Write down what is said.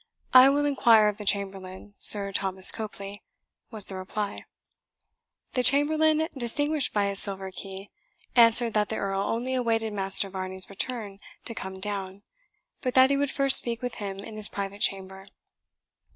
"I will inquire of the chamberlain, Sir Thomas Copely," was the reply. The chamberlain, distinguished by his silver key, answered that the Earl only awaited Master Varney's return to come down, but that he would first speak with him in his private chamber.